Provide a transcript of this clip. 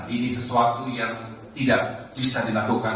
ini sesuatu yang tidak bisa dilakukan